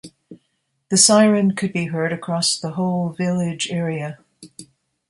The siren could be heard across the whole village area.